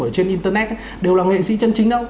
ở trên internet đều là nghệ sĩ chân chính đâu